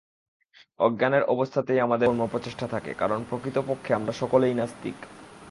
অজ্ঞানের অবস্থাতেই আমাদের কর্ম-প্রচেষ্টা থাকে, কারণ প্রকৃতপক্ষে আমরা সকলেই নাস্তিক।